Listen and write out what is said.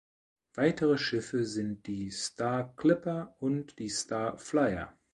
Weitere Schiffe sind die "Star Clipper" und die "Star Flyer".